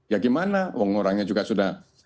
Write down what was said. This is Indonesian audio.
ya gimana orangnya juga sudah